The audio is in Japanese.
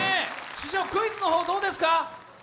師匠、クイズの方どうですか？